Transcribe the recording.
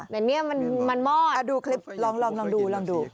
แต่เนี่ยมันมอดดูคลิปลองดูลองดู